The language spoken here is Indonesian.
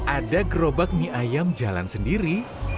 ada gerobak mie ayam jalan sendiri